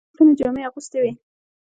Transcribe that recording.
هغه د اوسپنې جامې اغوستې وې.